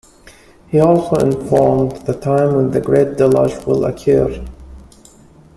He also informed the time when the great deluge will occur.